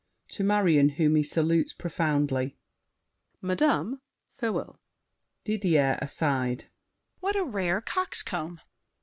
[To Marion, whom he salutes profoundly. Madame, Farewell! DIDIER (aside). What a rare coxcomb!